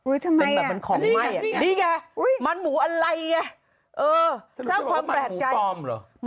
อุ๊ยทำไมอ่ะนี่ค่ะนี่ค่ะมันหมูอะไรอ่ะสร้างความแปลกใจมันหมูปลอมหรอ